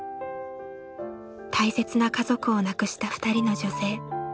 大切な家族を亡くした２人の女性。